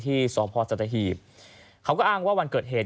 ที่ศาสตร์พอร์สดาหิบเขาก็อ้างว่าวันเกิดเหตุ